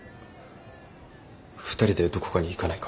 ２人でどこかに行かないか？